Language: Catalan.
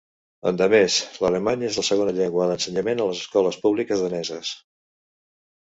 Endemés, l'alemany és la segona llengua d'ensenyament a les escoles públiques daneses.